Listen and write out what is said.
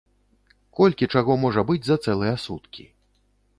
Колькі чаго можа быць за цэлыя суткі.